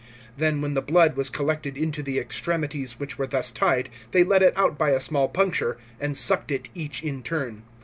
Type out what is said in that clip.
Then when the blood was collected into the extremities which were thus tied, they let it out by a small puncture, and sucked it each in turn.